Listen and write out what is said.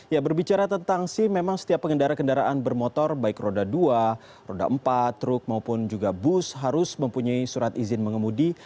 ya berbicara tentang sim memang setiap pengendara kendaraan bermotor baik roda dua roda empat truk maupun juga bus harus mempunyai surat izin mengemudi